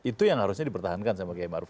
itu yang harusnya dipertahankan sama kay ma'ruf